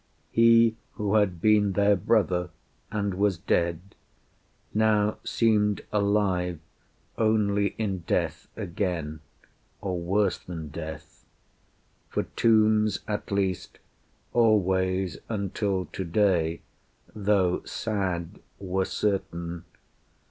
He who had been Their brother, and was dead, now seemed alive Only in death again or worse than death; For tombs at least, always until today, Though sad were certain.